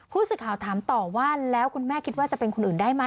ผู้สื่อข่าวถามต่อว่าแล้วคุณแม่คิดว่าจะเป็นคนอื่นได้ไหม